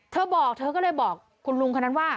เธอบอกเธอก็เลยบอกคุณลุงคนนั้นว่า